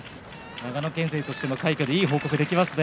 長野県勢としても快挙でいい報告ができますね。